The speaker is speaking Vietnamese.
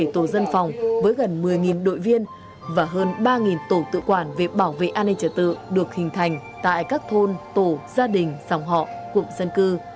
một mươi tổ dân phòng với gần một mươi đội viên và hơn ba tổ tự quản về bảo vệ an ninh trật tự được hình thành tại các thôn tổ gia đình dòng họ cụm dân cư